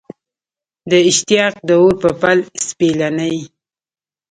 د اشتیاق د اور په پل سپېلني